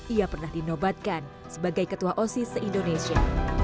ia pernah dinobatkan sebagai ketua osis se indonesia